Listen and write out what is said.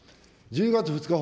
１０月２日